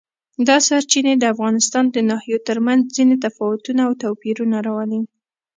دا سرچینې د افغانستان د ناحیو ترمنځ ځینې تفاوتونه او توپیرونه راولي.